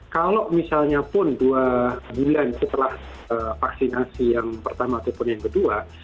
kalau misalnya pun dua bulan setelah vaksinasi yang pertama ataupun yang kedua